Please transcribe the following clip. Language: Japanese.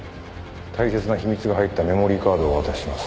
大切な秘密が入ったメモリーカードをお渡しします。